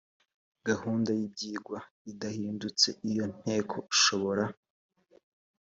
gahunda y ibyigwa idahindutse iyo nteko ishobora